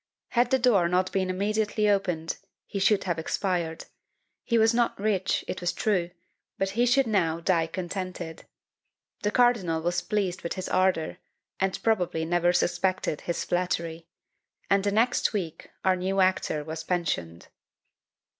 Had the door not been immediately opened, he should have expired; he was not rich, it was true, but he should now die contented! The cardinal was pleased with his ardour, and probably never suspected his flattery; and the next week our new actor was pensioned.